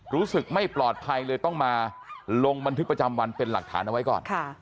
รู้สึกไม่ปลอดภัยเลยต้องมาลงบันทึกประจำวันเป็นหลักฐานเอาไว้ก่อน